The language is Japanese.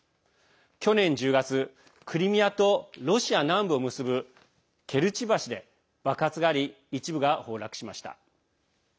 去年１０月クリミアとロシア南部を結ぶケルチ橋で爆発があり一部が崩落しました。